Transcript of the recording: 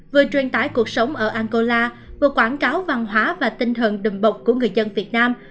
vừa truyền tải cuộc sống ở angola vừa quảng cáo văn hóa và tinh thần đùm bọc của người dân việt nam